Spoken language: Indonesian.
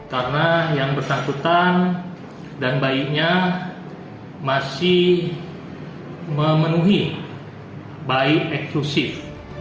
karena yang bertakutan dan bayinya masih memenuhi bayi eksklusif